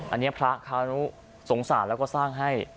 อันนี้พระเขาสงสารแล้วก็สร้างให้